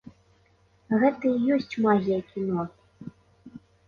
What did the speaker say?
Гэта і ёсць магія кіно!